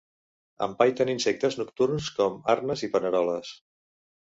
Empaiten insectes nocturns com arnes i paneroles.